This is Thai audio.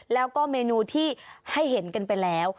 แล้วก็เมนูที่ให้เห็นกันไปแล้ว